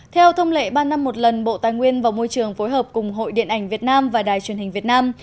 theo thông lệ ba năm một lần bộ tài nguyên và môi trường phối hợp cùng hội điện ảnh việt nam và đài truyền hình việt nam